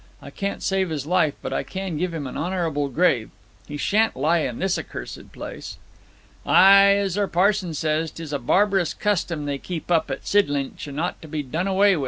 I can't save his life, but I can give him an honourable grave. He shan't lie in this accursed place!' 'Ay, as our pa'son says, 'tis a barbarous custom they keep up at Sidlinch, and ought to be done away wi'.